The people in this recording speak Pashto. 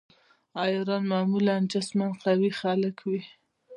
عیاران معمولاً جسماً قوي خلک وي.